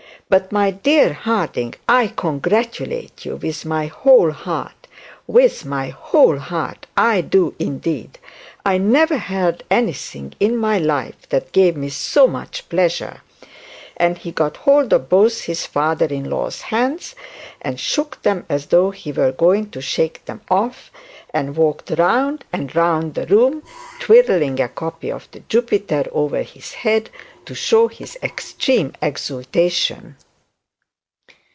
'But, my dear Harding, I congratulate you with my whole heart with my whole heart. I do indeed. I never heard anything in my life that gave me so much pleasure;' and he got hold of both his father in law's hands, and shook them as though he were going to shake them off, and walked round and round the room, twirling a copy of the Jupiter over his head, to show his extreme exultation.